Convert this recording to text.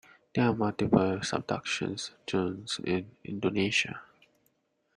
There are multiple subduction zones in Indonesia.